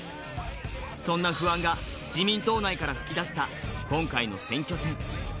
そんな不安が自民党内から噴き出した今回の選挙戦。